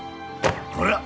ほら！